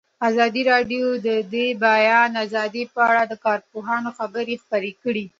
ازادي راډیو د د بیان آزادي په اړه د کارپوهانو خبرې خپرې کړي.